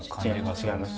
違います。